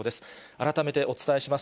改めてお伝えします。